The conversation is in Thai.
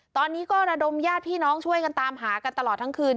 ตอนนี้ก็ระดมญาติพี่น้องช่วยกันตามหากันตลอดทั้งคืน